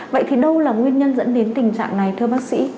vậy thì đâu là nguyên nhân dẫn đến tình trạng này thưa bác sĩ